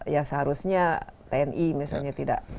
ya seharusnya tni misalnya tidak